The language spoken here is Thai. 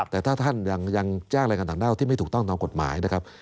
แต่ถ้าท่านยังจ้างแรงงานต่างด้าวที่ไม่ถูกต้องตามกฎหมายนะครับ